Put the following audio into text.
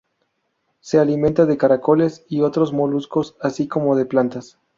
Se alimenta de caracoles y otros moluscos, así como de plantas.